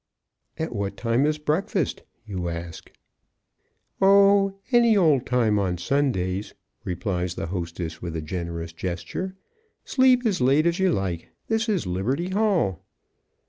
"At what time is breakfast?" you ask. "Oh, any old time on Sundays," replies the hostess with a generous gesture. "Sleep as late as you like. This is 'Liberty Hall.'"